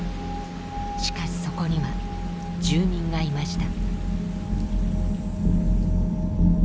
しかしそこには住民がいました。